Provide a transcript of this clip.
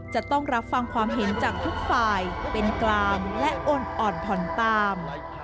จะต้องรับฟังความเห็นจากทุกฝ่ายเป็นกลางและโอนอ่อนผ่อนตาม